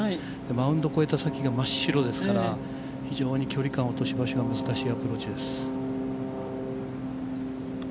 マウンドを越えた先が真っ白ですから非常に距離感、落とし場所が難しいアプローチです。